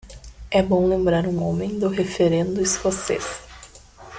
É bom lembrar um homem do referendo escocês.